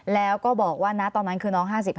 แล้วก็บอกว่านะตอนนั้นคือน้อง๕๕